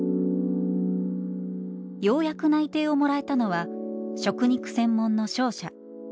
ようやく内定をもらえたのは食肉専門の商社。